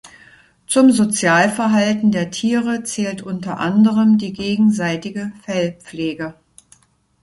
Zum Sozialverhalten der Tiere zählt unter anderem die gegenseitige Fellpflege.